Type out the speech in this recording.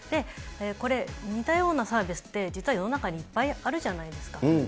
これ、似たようなサービスって実は世の中にいっぱいあるじゃないですか。